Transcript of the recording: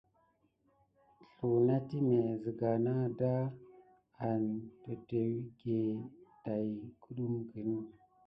Sluwa na timé siga nada an totiwiéké tät kudukune.